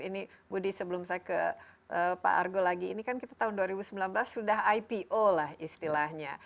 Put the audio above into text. ini budi sebelum saya ke pak argo lagi ini kan kita tahun dua ribu sembilan belas sudah ipo lah istilahnya